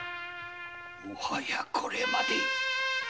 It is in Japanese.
もはやこれまで。